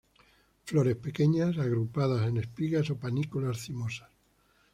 Flores pequeñas, agrupadas en espigas o panículas cimosas.